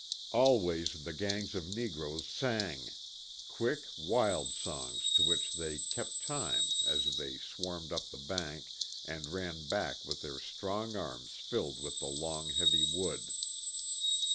Always the gangs of negroes sang; quick, wild songs to which they kept time as they 14 THE "DECK HAND." swarmed up the bank and ran back with their strong arms rilled with the long heavy wood.